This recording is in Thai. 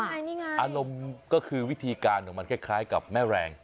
นี่ไงอารมณ์ก็คือวิธีการของมันคล้ายกับแม่แรง